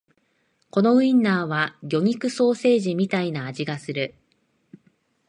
このウインナーは魚肉ソーセージみたいな味がする